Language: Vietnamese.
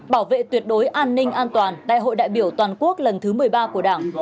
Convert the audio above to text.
bảo vệ tuyệt đối an ninh an toàn đại hội đại biểu toàn quốc lần thứ một mươi ba của đảng